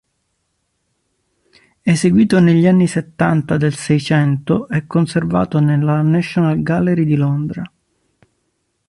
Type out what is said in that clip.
Eseguito negli anni settanta del seicento, è conservato nella National Gallery di Londra.